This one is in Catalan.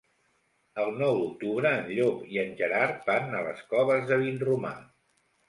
El nou d'octubre en Llop i en Gerard van a les Coves de Vinromà.